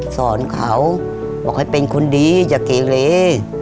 สอนเขาบอกให้เป็นคนดีอย่าเกลีก